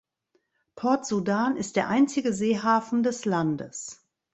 Port Sudan ist der einzige Seehafen des Landes.